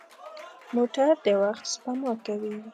موټر د وخت سپما کوي.